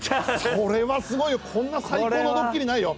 それはすごいよこんな最高のドッキリないよ。